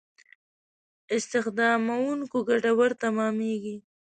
استخداموونکو ګټور تمامېږي.